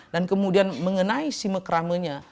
dan kemudian mengenai si mekramenya